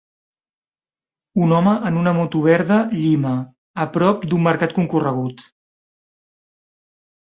Un home en una moto verda llima, a prop d'un mercat concorregut.